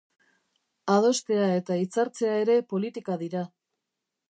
Adostea eta hitzartzea ere politika dira.